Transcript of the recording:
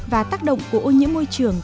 và tác động của ô nhiễm môi trường